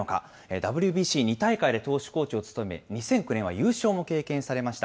ＷＢＣ２大会で投手コーチを務め、２００９年は優勝も経験されました